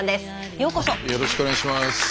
よろしくお願いします。